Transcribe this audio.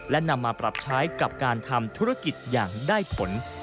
และนำมาปรับใช้กับการทำธุรกิจอย่างได้ผล